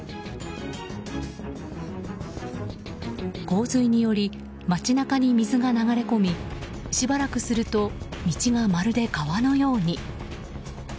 洪水により、街中に水が流れ込みしばらくすると道がまるで川のように。